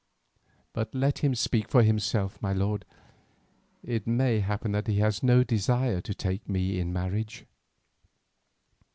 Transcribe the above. But let him speak for himself, my lord. It may happen that he has no desire to take me in marriage."